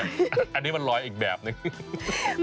อันนี้มันลอยอีกแบบนึง